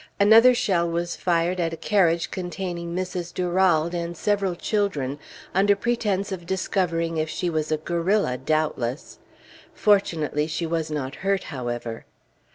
Another shell was fired at a carriage containing Mrs. Durald and several children, under pretense of discovering if she was a guerrilla, doubtless. Fortunately, she was not hurt, however.